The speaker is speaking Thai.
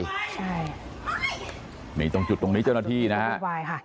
ใช่เฮ้ยตรงตรงนี้เจ้าหน้าที่นะครับเฮ้ยตรงที่ลูกไว้ค่ะ